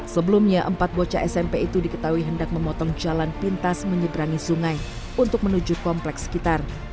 sebelumnya empat bocah smp itu diketahui hendak memotong jalan pintas menyeberangi sungai untuk menuju kompleks sekitar